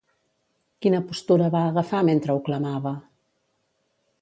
Quina postura va agafar, mentre ho clamava?